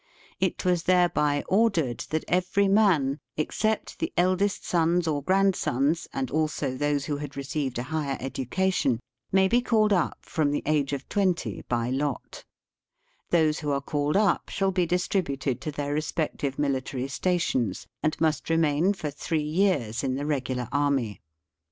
It was thereby ordered that every man, except the eldest sons or grandsons, and also those who had received a higher education, may be called up from the age of twenty by lot. Those who are called up shall be distributed to their respective Digitized by VjOOQIC THE NEW EMPIRE IN THE WEST. 99 iniKtary stations, and must remain for three years in the regular army.